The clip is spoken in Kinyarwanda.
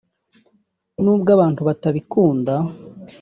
nubwo abantu batabikunda